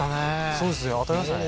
そうですね当たりましたね